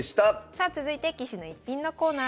さあ続いて「棋士の逸品」のコーナーです。